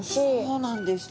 そうなんです。